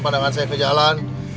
pandangan saya ke jalan